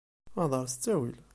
Hḍeṛ s ttawil.